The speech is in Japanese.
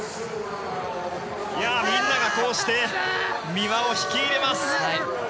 みんながこうして三輪を引き入れます。